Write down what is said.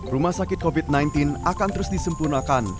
rumah sakit covid sembilan belas akan terus disempurnakan